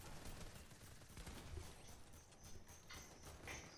উনি ছিলেন একজন জাদুকর।